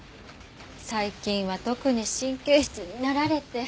最近は特に神経質になられて。